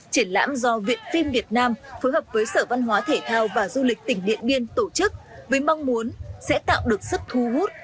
triển lãm do viện phim việt nam phối hợp với sở văn hóa thể thao và du lịch tỉnh điện biên tổ chức với mong muốn sẽ tạo được sức thu hút